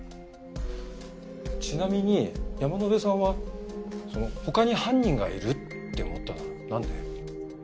ちなみに山之辺さんは他に犯人がいるって思ったのはなんで？